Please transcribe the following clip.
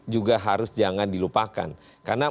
juga harus jangan dilupakan karena